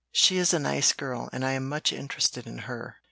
"She is a nice girl, and I'm much interested in her.